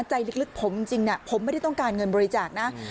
ใจลึกผมจริงผมไม่ได้ต้องการเงินบริจาคนะ